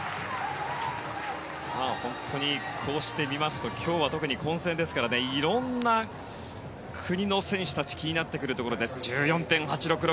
本当にこうして見ますと今日は特に混戦ですからいろいろな国の選手たちが気になってくるところです。１４．８６６